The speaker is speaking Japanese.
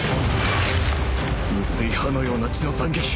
薄い刃のような血の斬撃